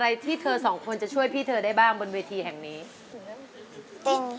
ใบเตยเลือกใช้ได้๓แผ่นป้ายตลอดทั้งการแข่งขัน